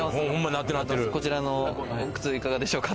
こちらの靴、いかがでしょうか？